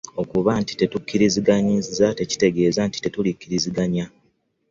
Okuba nti tetukkiriziganyizza tekitegeeza nti tetulikkiriziganya.